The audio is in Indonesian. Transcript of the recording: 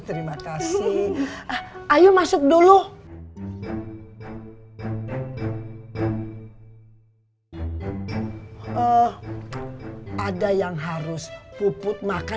terima kasih ya mak ini pepesnya enak banget ya mak